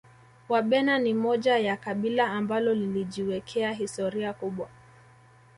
Wabena ni moja ya kabila ambalo lilijiwekea historia kubwa